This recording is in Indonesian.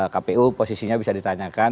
kpu posisinya bisa ditanyakan